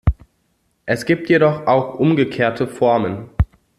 Es gibt jedoch auch umgekehrte Formen.